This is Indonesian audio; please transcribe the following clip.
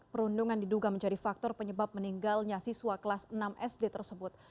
perundungan diduga menjadi faktor penyebab meninggalnya siswa kelas enam sd tersebut